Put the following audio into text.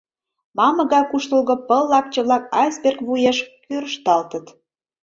Мамык гай куштылго пыл лапчык-влак айсберг вуеш кӱрышталтыт.